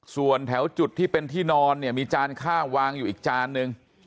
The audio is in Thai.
ส่วนแถวจุดที่เป็นที่นอนเนี่ยมีจานข้าววางอยู่อีกจานนึง